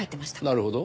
なるほど。